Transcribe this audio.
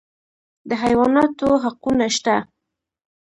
د حیواناتو حقونه شته